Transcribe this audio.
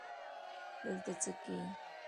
دلته څه که یې